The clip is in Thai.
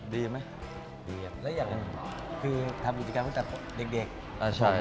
ดีครับแล้วอย่างนี้คือทำกิจกรรมตั้งแต่เด็ก